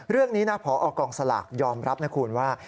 เรื่องนี้นะพอกองสลากยอมรับนะคุณว่า